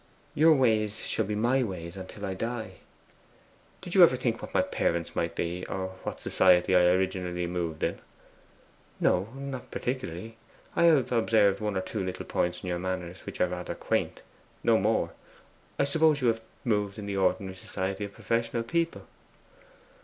Your ways shall be my ways until I die.' 'Did you ever think what my parents might be, or what society I originally moved in?' 'No, not particularly. I have observed one or two little points in your manners which are rather quaint no more. I suppose you have moved in the ordinary society of professional people.